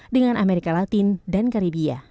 dengan amerika latin dan karibia